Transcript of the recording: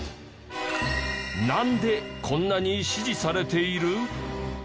なんでこんなに支持されている？